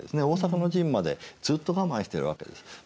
大坂の陣までずっと我慢しているわけです。